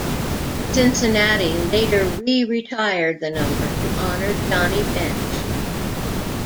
Cincinnati later re-retired the number to honor Johnny Bench.